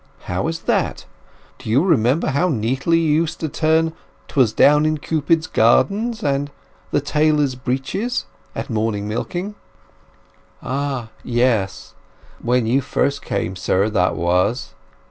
"How is that? Do you remember how neatly you used to turn ''Twas down in Cupid's Gardens' and 'The Tailor's Breeches' at morning milking?" "Ah, yes! When you first came, sir, that was.